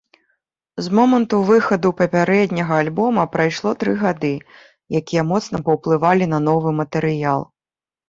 З моманту выхаду папярэдняга, альбома прайшло тры гады, якія моцна паўплывалі на новы матэрыял.